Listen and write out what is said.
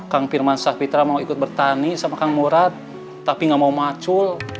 kang firman sapitra mau ikut bertani sama kang murad tapi nggak mau macul